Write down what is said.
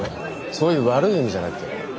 そういう悪い意味じゃなくて。